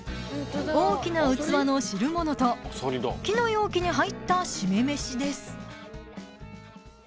大きな器の汁物と木の容器に入った〆めしです